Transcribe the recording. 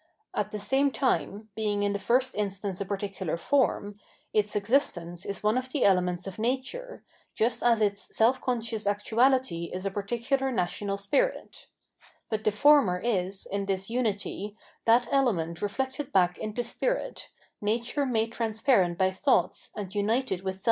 At the same time, being in the first instance a particular form, its existence is one of the elements of nature, just as its self conscious actuahty is a par ticular national spirit.! But the former is, in this unity, that element reflected back into spirit, nature made transparent by thoughts and united with self * V. sup.f p. 710. t e.g. the eagle as the ^^bird of Zeus."